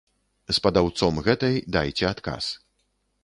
З падаўцом гэтай дайце адказ.